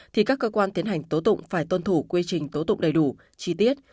thì các cơ quan tiến hành tố tụng phải tuân thủ quy trình tố tụng đầy đủ chi tiết